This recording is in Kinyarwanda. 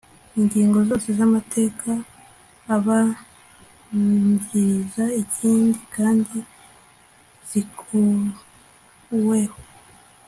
ingingo zose z amateka abanziriza iri kandi zikuweho